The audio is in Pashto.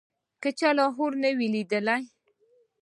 که چا لاهور نه وي لیدلی.